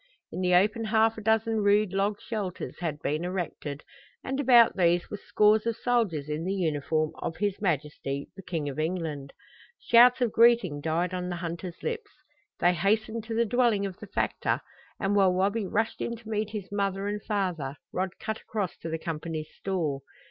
In the open half a dozen rude log shelters had been erected, and about these were scores of soldiers in the uniform of his Majesty, the King of England. Shouts of greeting died on the hunters' lips. They hastened to the dwelling of the factor, and while Wabi rushed in to meet his mother and father Rod cut across to the Company's store.